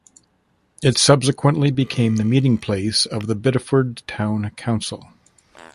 It subsequently became the meeting place of Bideford Town Council.